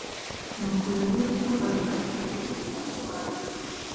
nuko yozefu abwira se ibintu byamubayeho